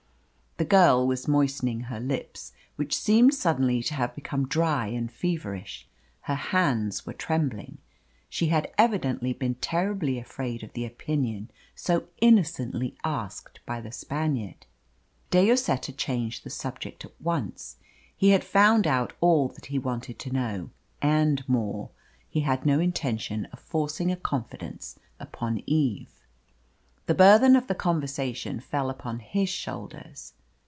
The girl was moistening her lips, which seemed suddenly to have become dry and feverish. Her hands were trembling. She had evidently been terribly afraid of the opinion so innocently asked by the Spaniard. De Lloseta changed the subject at once. He had found out all that he wanted to know, and more. He had no intention of forcing a confidence upon Eve. The burthen of the conversation fell upon his shoulders.